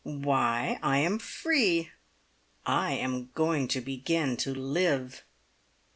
Why, I am free! I am going to begin to live."